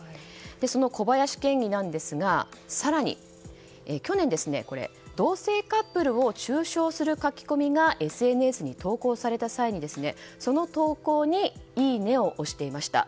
その小林県議なんですが更に去年同性カップルを中傷する書き込みがＳＮＳに投稿された際にその投稿にいいねを押していました。